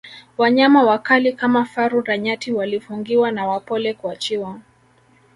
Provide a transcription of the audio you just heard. wanyama wakali kama faru na nyati walifungiwa na wapole kuachiwa